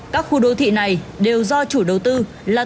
các khu đô thị này đều do chủ đô thị